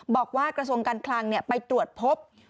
บอกว่ากระทรวงการคลางไปตรวจพบ